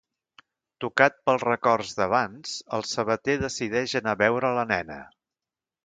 Tocat pels records d’abans, el sabater decideix anar a veure la nena.